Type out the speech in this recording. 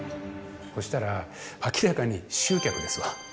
そしたら明らかに集客ですわ。